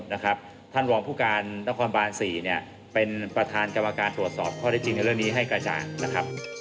ท่านรองกรของพู่การนครบาลหน้าได้สามารถเป็นประธานกรรมการตรวจสอบข้อได้จริงในเรื่องนี้ให้กระจ่าง